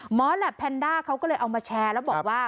แหลปแพนด้าเขาก็เลยเอามาแชร์แล้วบอกว่า